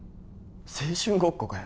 青春ごっこかよ